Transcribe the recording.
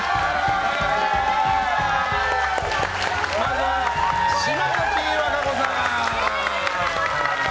まずは島崎和歌子さん！